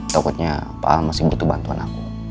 takutnya pak al masih butuh bantuan aku